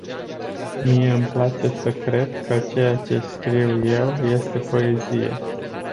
Mie îmi place să cred că ceea ce scriu eu este poezie.